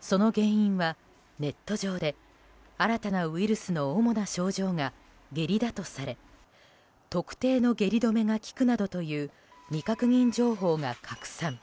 その原因はネット上で新たなウイルスの主な症状が、下痢だとされ特定の下痢止めが効くなどという未確認情報が拡散。